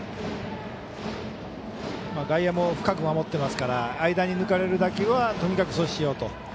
外野も深く守ってますから間に抜ける打球はとにかく阻止しようと。